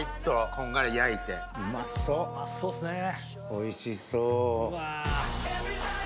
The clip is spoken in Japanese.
おいしそう。